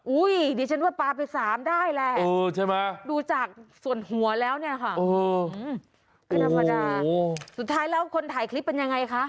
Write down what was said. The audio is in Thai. อุ๊ยเดี๋ยวฉันว่าปลาไป๓ได้แหละดูจากส่วนหัวแล้วเนี่ยค่ะไม่ธรรมดาสุดท้ายเล่าคนถ่ายคลิปเป็นยังไงคะ